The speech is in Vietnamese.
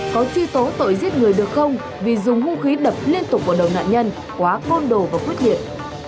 có truy tố tội giết người được không vì dùng hung khí đập liên tục vào đầu nạn nhân quá côn đồ và quyết liệt